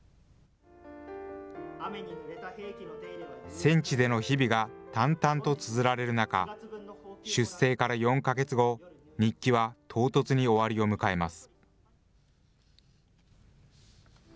戦地での日々が淡々とつづられる中、出征から４か月後、日記は唐突に終わりを迎えます。